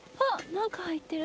何か入ってる？